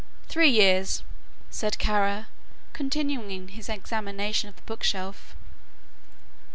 "Three years," said Kara, continuing his examination of the bookshelf.